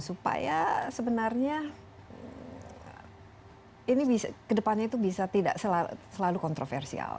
supaya sebenarnya ke depannya itu bisa tidak selalu kontroversial